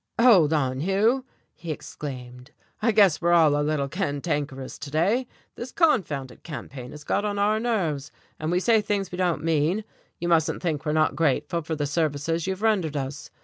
"Hold on, Hugh," he exclaimed, "I guess we're all a little cantankerous today. This confounded campaign has got on our nerves, and we say things we don't mean. You mustn't think we're not grateful for the services you've rendered us.